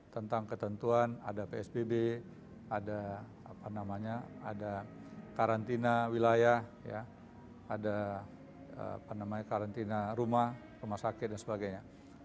tentang ketentuan ada psbb ada karantina wilayah ada karantina rumah rumah sakit dan sebagainya